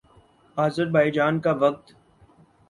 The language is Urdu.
آذربائیجان کا وقت